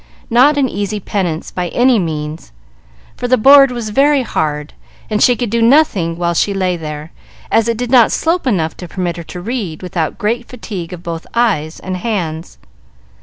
Not an easy penance, by any means, for the board was very hard, and she could do nothing while she lay there, as it did not slope enough to permit her to read without great fatigue of both eyes and hands.